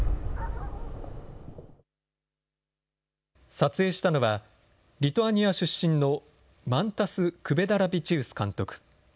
撮影したのは、リトアニア出身のマンタス・クベダラビチウス監督。